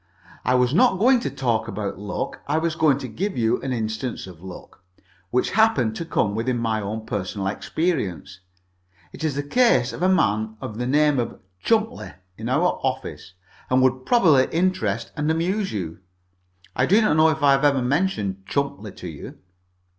I was not going to talk about luck. I was going to give you an instance of luck, which happened to come within my own personal experience. It is the case of a man of the name of Chumpleigh, in our office, and would probably interest and amuse you. I do not know if I have ever mentioned Chumpleigh to you."